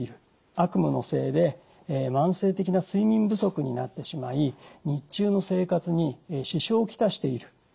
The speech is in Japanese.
悪夢のせいで慢性的な睡眠不足になってしまい日中の生活に支障を来している。